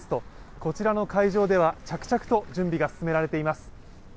こちらの会場では着々と準備が進められています。